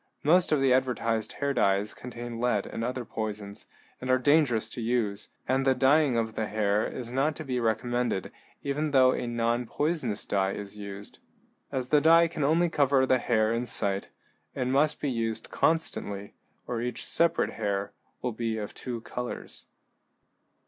Most of the advertised hair dyes contain lead and other poisons, and are dangerous to use, and the dyeing of the hair is not to be recommended even though a nonpoisonous dye is used. As the dye can only cover the hair in sight, it must be used constantly, or each separate hair will be of two colors.